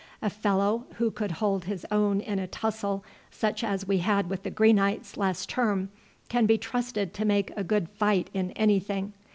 A fellow who could hold his own in a tussle such as we had with the Greenites last term can be trusted to make a good fight in anything.